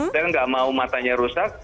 dan gak mau matanya rusak